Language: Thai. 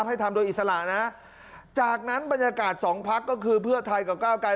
ให้ทำโดยอิสระนะจากนั้นบรรยากาศสองพักก็คือเพื่อไทยกับก้าวไกร